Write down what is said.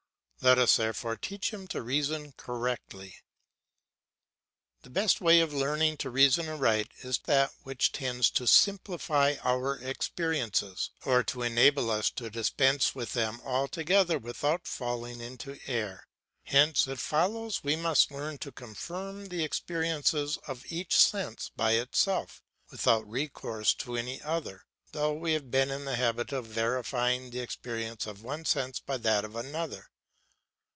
Let us therefore teach him to reason correctly. The best way of learning to reason aright is that which tends to simplify our experiences, or to enable us to dispense with them altogether without falling into error. Hence it follows that we must learn to confirm the experiences of each sense by itself, without recourse to any other, though we have been in the habit of verifying the experience of one sense by that of another.